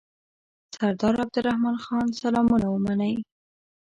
سردار عبدالرحمن خان سلامونه ومنئ.